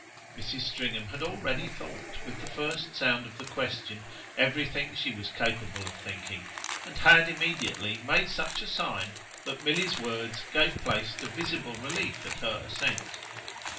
Mrs. Stringham had already thought, with the first sound of the question, everything she was capable of thinking, and had immediately made such a sign that Milly's words gave place to visible relief at her assent.